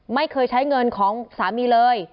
ไม่เคยใช้เงินของสามีเลย